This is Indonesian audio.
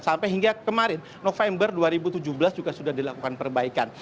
sampai hingga kemarin november dua ribu tujuh belas juga sudah dilakukan perbaikan